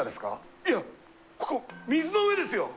いやここ水の上ですよ。